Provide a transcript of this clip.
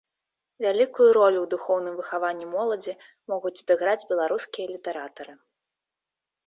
Вялікую ролю ў духоўным выхаванні моладзі могуць адыграць беларускія літаратары.